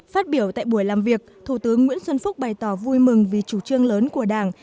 phát biểu tại buổi làm việc thủ tướng nguyễn xuân phúc bày tỏ vui mừng vì chủ trương lớn của đảng